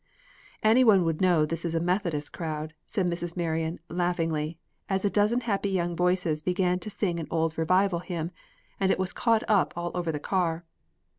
"Any one would know this is a Methodist crowd," said Mrs. Marion laughingly, as a dozen happy young voices began to sing an old revival hymn, and it was caught up all over the car.